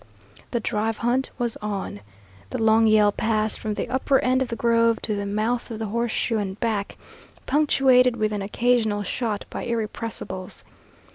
The drive hunt was on; the long yell passed from the upper end of the grove to the mouth of the horseshoe and back, punctuated with an occasional shot by irrepressibles.